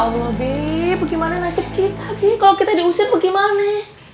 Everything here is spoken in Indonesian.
bagaimana nasib kita be kalo kita diusir bagaimana